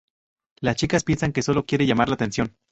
Las chicas piensan que sólo quiere llamar la atención.